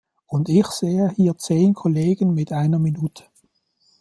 Und ich sehe hier zehn Kollegen mit einer Minute.